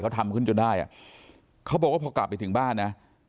เขาทำขึ้นจนได้อ่ะเขาบอกว่าพอกลับไปถึงบ้านนะ